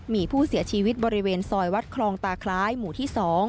มีผู้เสียชีวิตบริเวณซอยวัดคลองตาคล้ายหมู่ที่๒